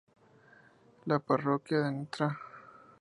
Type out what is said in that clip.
La parroquia de Ntra.